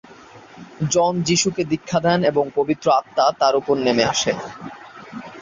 জন যিশুকে দীক্ষা দেন এবং পবিত্র আত্মা তাঁর উপর নেমে আসেন।